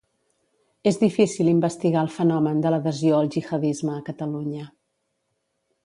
És difícil investigar el fenomen de l'adhesió al jihadisme a Catalunya.